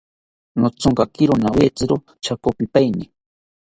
Nothonkakiro nowetziro chekopipaeni